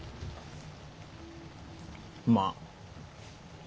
まあ。